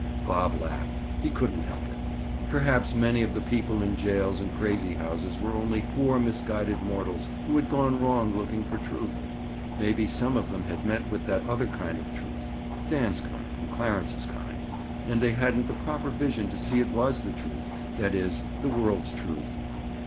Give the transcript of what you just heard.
Bob laughed. He couldn't help it. Perhaps many of the people in jails and crazy houses were only poor misguided mortals who had gone wrong looking for truth. Maybe some of them had met with that other kind of truth (Dan's kind and Clarence's kind) and they hadn't the proper vision to see it was the truth (that is, the world's truth).